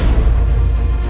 kau bisa lihat